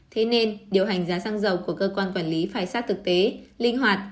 thế nên điều hành giá xăng dầu của cơ quan quản lý phải sát thực tế linh hoạt